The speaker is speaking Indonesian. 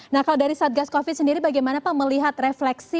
nah kalau dari satgas covid sendiri bagaimana pak melihat refleksi